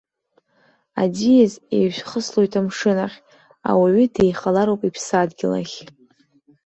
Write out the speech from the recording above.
Аӡиас еижәхыслоит амшын ахь, ауаҩы деихалароуп иԥсадгьыл ахь!